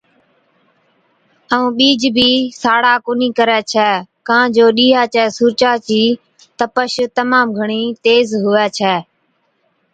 ائُون ٻِيج بِي ساڙا ڪونهِي ڪرَي ڪان جو ڏِيهان چَي سُورجا چِي تپش تمام گھڻِي تيز هُوَي ڇَي۔